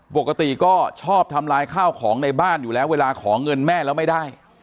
ปกติก็ชอบทำลายข้าวของในบ้านอยู่แล้วเวลาขอเงินแม่แล้วไม่ได้